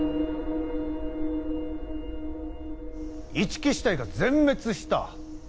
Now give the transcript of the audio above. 一木支隊が全滅した？